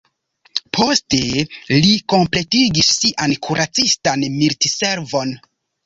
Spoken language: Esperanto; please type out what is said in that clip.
Poste li kompletigis sian kuracistan militservon.